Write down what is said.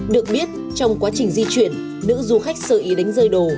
được biết trong quá trình di chuyển nữ du khách sơ ý đánh rơi đồ